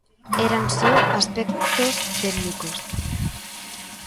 Eran só aspectos técnicos.